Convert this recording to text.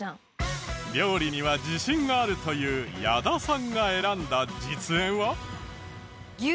料理には自信があるという矢田さんが選んだ実演は？